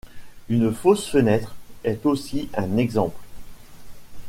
Une fausse fenêtre est aussi un exemple.